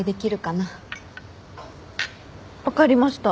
分かりました。